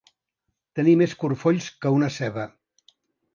Tenir més corfolls que una ceba.